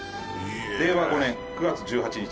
令和５年９月１８日。